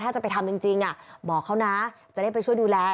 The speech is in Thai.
ถ้าจะไปทำจริงบอกเขานะจะได้ไปช่วยดูแล